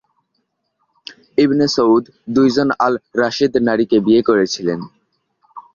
ইবনে Saud দুইজন Al Rashid নারীকে বিয়ে করেছিলেন।